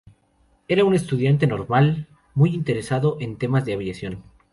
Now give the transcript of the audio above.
Era un estudiante normal, muy interesado en temas de aviación.